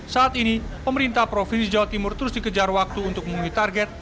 saat ini pemerintah provinsi jawa timur terus dikejar waktu untuk memenuhi target